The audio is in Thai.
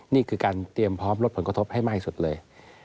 นี่คือการเตรียมพร้อมลดผลกระทบให้มากที่สุดเลย